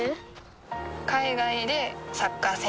海外でサッカー選手になる